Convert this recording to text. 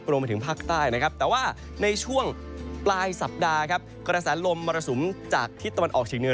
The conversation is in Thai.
รวมไปถึงภาคใต้นะครับแต่ว่าในช่วงปลายสัปดาห์ครับกระแสลมมรสุมจากทิศตะวันออกเฉียงเหนือ